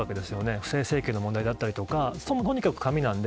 不正請求の問題だったりとかも紙なので。